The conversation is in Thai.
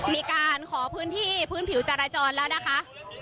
มีการขอพื้นที่พื้นผิวจราจรแล้วนะคะ